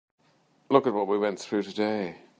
Look at what we went through today.